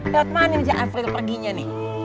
lewat mana aja apri perginya nih